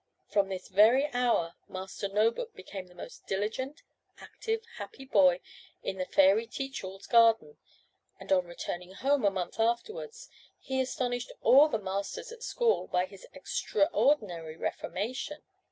From this very hour Master No book became the most diligent, active, happy boy in the fairy Teach all's garden; and on returning home a month afterwards, he astonished all the masters at school by his extraordinary reformation.